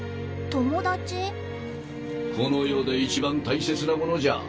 この世で一番大切なものじゃ。